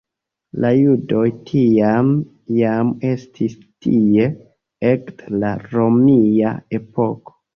La judoj tiam jam estis tie ekde la romia epoko.